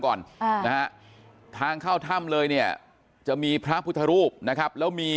ก่อนอ่านะฮะทางเข้าถ้ำเลยเนี่ยจะมีพระพุทธรูปนะครับแล้วมี